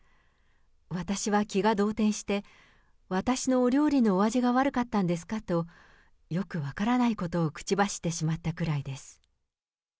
私は気が動転して、私のお料理のお味が悪かったんですかと、よく分からないことを口走ってしまったくらいです。